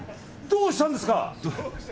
どうしたんですか。